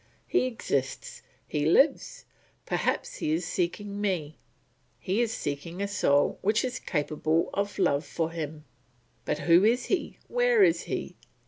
He exists, he lives, perhaps he is seeking me; he is seeking a soul which is capable of love for him. But who is he, where is he?